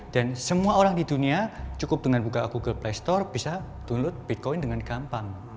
dan semua orang di dunia cukup dengan buka google play store bisa download bitcoin dengan gampang